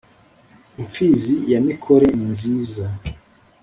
imfizi ya mikore ni nziza